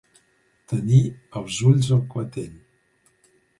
Tenir els ulls al clatell.